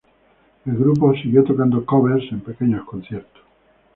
El grupo siguió tocando covers en pequeños conciertos.